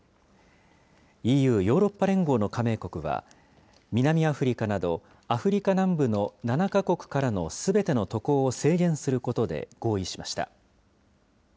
ＥＵ・ヨーロッパ連合の加盟国は、南アフリカなど、アフリカ南部の７か国からのすべての渡航を制限することで合意しました。